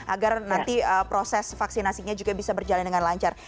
agar nanti proses vaksinasinya juga bisa berjalan dengan lancar